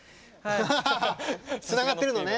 つながってるのね。